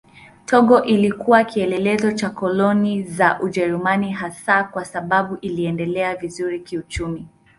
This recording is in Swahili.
Togo ilikuwa kielelezo cha koloni za Ujerumani hasa kwa sababu iliendelea vizuri kiuchumi.